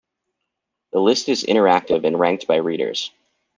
The list is interactive and ranked by readers.